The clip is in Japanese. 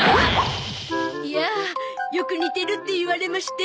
いやよく似てるって言われまして。